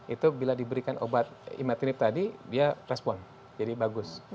itu bila diberikan obat imaterib tadi dia respon jadi bagus